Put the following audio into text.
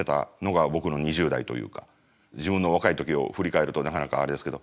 自分の若い時を振り返るとなかなかあれですけど。